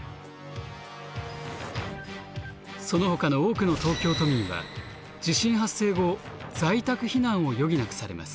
そのほかの多くの東京都民は地震発生後在宅避難を余儀なくされます。